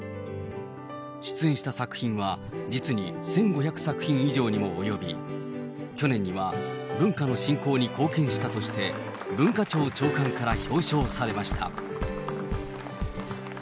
出演した作品は実に１５００作品以上にも及び、去年には文化の振興に貢献したとして、文化庁長官から表彰されました。